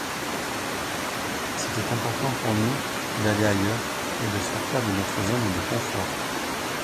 C’était important pour nous d’aller ailleurs et de sortir de notre zone de confort.